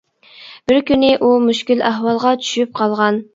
بىر كۈنى ئۇ مۈشكۈل ئەھۋالغا چۈشۈپ قالغان.